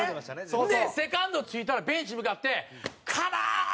それでセカンド着いたらベンチに向かってカモーン！